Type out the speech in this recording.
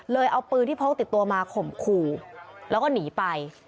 เลยเอาปืนที่พลกติดตัวมาขมครูแล้วก็หนีไป